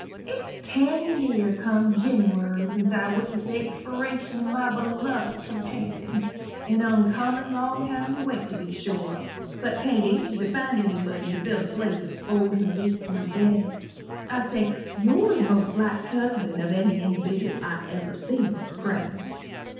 it's ten year come Jinniwary sence I witnessed the expiration o' my belovid companion an oncommon long time to wait, to be sure but 'tain't easy to find anybody to fill the place o' Hezekier Bedott. I think you're the most like husband of ary individdiwal I ever see, Mr. Crane.